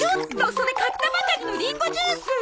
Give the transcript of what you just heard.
それ買ったばかりのリンゴジュース！